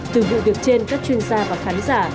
từ vụ việc trên các chuyên gia và khán giả